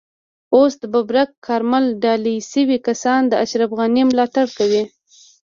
اوس د ببرک کارمل ډالۍ شوي کسان له اشرف غني ملاتړ کوي.